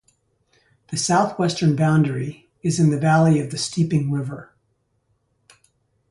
The South-western boundary is in the valley of the Steeping River.